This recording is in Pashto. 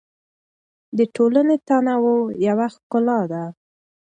د ټولنې تنوع یو ښکلا ده.